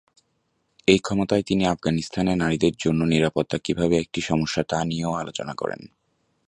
এই ক্ষমতায় তিনি আফগানিস্তানে নারীদের জন্য নিরাপত্তা কীভাবে একটি সমস্যা তা নিয়েও আলোচনা করেন।